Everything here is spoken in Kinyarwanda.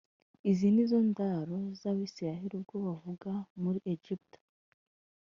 izi ni zo ndaro z’abisirayeli ubwo bavaga muri egiputa